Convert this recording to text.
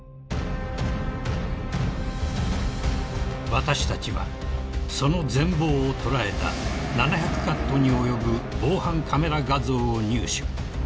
［私たちはその全貌を捉えた７００カットに及ぶ防犯カメラ画像を入手］